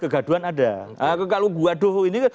kegaduan ada kalau waduh ini